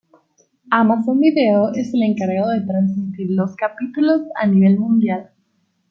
Amazon Video es el encargado de transmitir los capítulos a nivel mundial.